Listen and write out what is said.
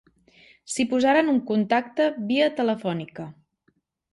S'hi posaren en contacte via telefònica.